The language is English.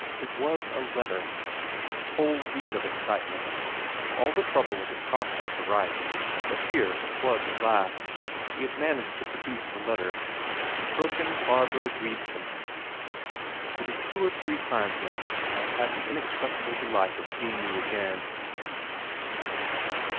It was a letter! A whole week of excitement, all the trouble it had cost him to write, but here it was at last; he had managed to produce a letter: "To Fröken Barbro Bredesen. It is two or three times now I have had the inexpressible delight of seeing you again...."